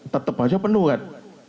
tetap saja penuh kan